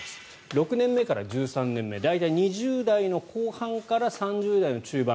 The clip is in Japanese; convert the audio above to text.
６年目から１３年目大体２０代の後半から３０代の中盤。